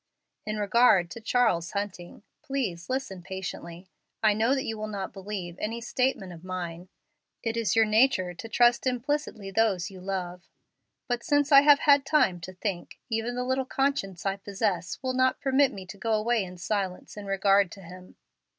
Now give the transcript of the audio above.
In regard to Charles Hunting please listen patiently I know that you will not believe any statement of mine. It is your nature to trust implicitly those you love. But since I have had time to think, even the little conscience I possess will not permit me to go away in silence in regard to him.